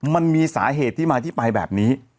มันมีสาเหตุที่มาที่ไปแบบนี้